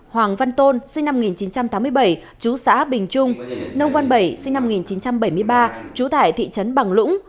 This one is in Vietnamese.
hoàng văn tôn sinh năm một nghìn chín trăm tám mươi bảy chú xã bình trung nông văn bảy sinh năm một nghìn chín trăm bảy mươi ba trú tại thị trấn bằng lũng